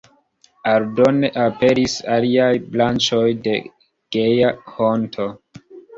Aldone aperis aliaj branĉoj de Geja Honto.